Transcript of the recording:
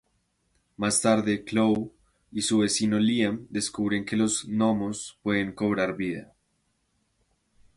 Más tarde, Chloe y su vecino Liam descubren que los gnomos pueden cobrar vida.